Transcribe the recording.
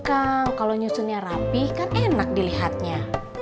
kang kalau nyusunnya rapih kan enak dilihatnya